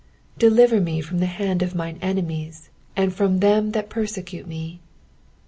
" Deliver me from the hoTtd of mine enemiet, and from them that pert cute me.